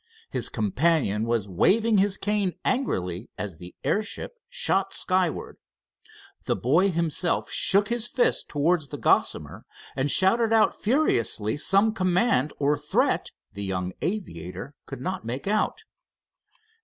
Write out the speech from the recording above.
His companion was waving his cane angrily as the airship shot skyward. The boy himself shook his fists toward the Gossamer, and shouted out furiously some command or threat the young aviator could not make out.